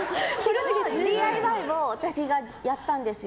ＤＩＹを私がやったんですよ。